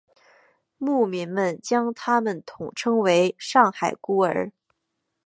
牧民们将他们统称为上海孤儿。